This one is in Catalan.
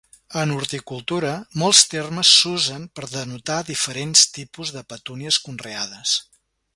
En horticultura, molts termes s'usen per denotar diferents tipus de petúnies conreades.